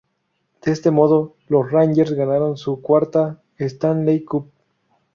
De este modo, los Rangers ganaron su cuarta Stanley Cup.